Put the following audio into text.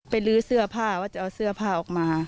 ลื้อเสื้อผ้าว่าจะเอาเสื้อผ้าออกมา